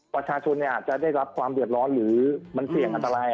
ประชาชนอาจจะได้รับความเดือดร้อนหรือมันเสี่ยงอันตราย